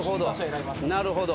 なるほど。